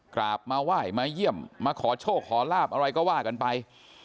กราบมาไหว้มาเยี่ยมมาขอโชคขอลาบอะไรก็ว่ากันไป